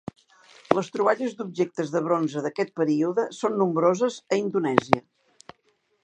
Les troballes d'objectes de bronze d'aquest període són nombroses a Indonèsia.